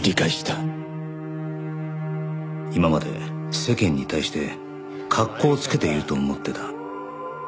今まで世間に対して格好をつけていると思ってた。